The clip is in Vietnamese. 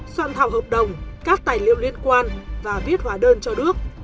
soạn thảo hợp đồng các tài liệu liên quan và viết hóa đơn cho đức